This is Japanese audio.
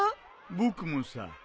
僕もさ。